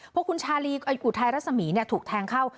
พอคุณชาลีอุทัยรัศมีร์ถูกแทงเข้า